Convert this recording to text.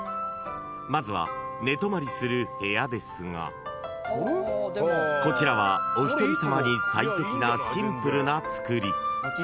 ［まずは寝泊まりする部屋ですがこちらはお一人さまに最適なシンプルなつくり］